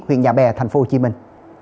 huyện nhà bè tp cn